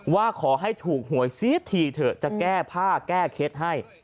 ว่าขอให้ถูกหวยเสียทีเถอะจะแก้ผ้าแก้เคล็ดให้